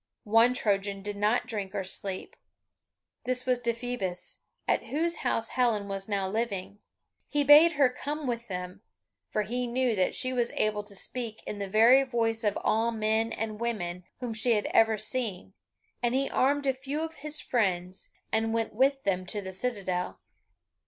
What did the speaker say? One Trojan did not drink or sleep; this was Deiphobus, at whose house Helen was now living. He bade her come with them, for he knew that she was able to speak in the very voice of all men and women whom she had ever seen, and he armed a few of his friends and went with them to the citadel.